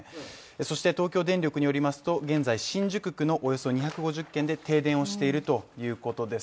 そして、東京電力によりますと現在、新宿区の２５０軒で停電をしているということです。